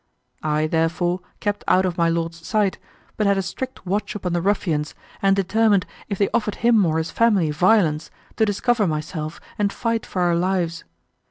I, therefore, kept out of my lord's sight, but had a strict watch upon the ruffians, and determined, if they offered him or his family violence, to discover myself, and fight for our lives.